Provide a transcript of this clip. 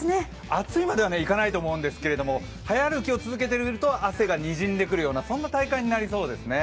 暑いまではいかないと思うんですけど早歩きを続けていると汗がにじんでくるようなそんな体感になりそうですね。